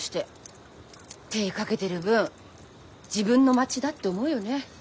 手かけてる分自分の町だって思うよね。